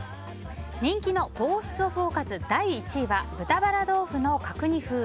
人気の糖質オフおかず第１位は豚バラ豆腐の角煮風。